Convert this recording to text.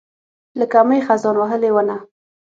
لکه مئ، خزان وهلې ونه